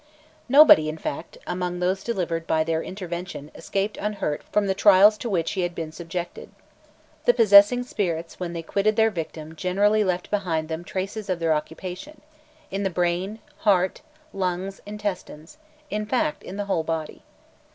Nobody, in fact, among those delivered by their intervention escaped unhurt from the trials to which, he had been subjected. The possessing spirits when they quitted their victim generally left behind them traces of their occupation, in the brain, heart, lungs, intestines in fact, in the whole body.